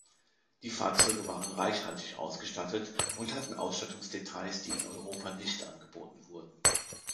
Die Fahrzeuge waren reichhaltig ausgestattet und hatten Ausstattungsdetails, die in Europa nicht angeboten wurden.